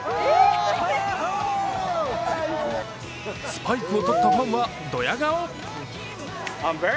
スパイクを取ったファンは、どや顔。